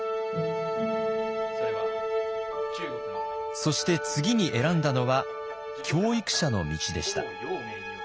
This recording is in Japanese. そして次に選んだのは教育者の道でした。